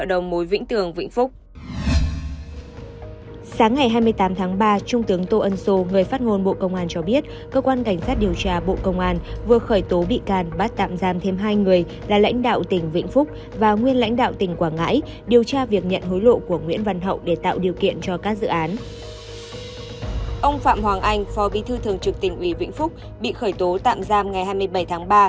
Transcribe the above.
ông phạm hoàng anh phò bi thư thường trực tỉnh uy vĩnh phúc bị khởi tố tạm giam ngày hai mươi bảy tháng ba